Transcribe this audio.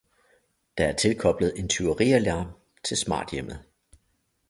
Der er tilkoblet en tyverialarm til smarthjemmet